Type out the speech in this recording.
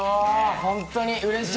本当にうれしい。